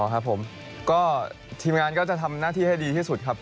ครับผมก็ทีมงานก็จะทำหน้าที่ให้ดีที่สุดครับ